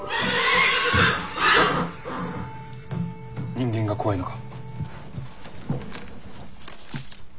人間が怖いのか？